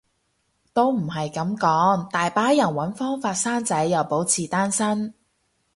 都唔係噉講，大把人搵方法生仔又保持單身